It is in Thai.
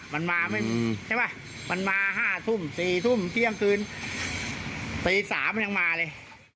มันมา๕ทุ่ม๔ทุ่มเครื่องคืนปี๓มันยังมาเลย